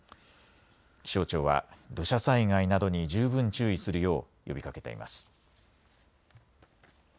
気象庁は土砂災害などに十分注意するよう呼びかけています。